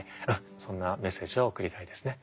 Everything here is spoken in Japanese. そんなメッセージを送りたいですね。